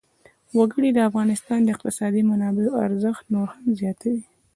وګړي د افغانستان د اقتصادي منابعو ارزښت نور هم زیاتوي.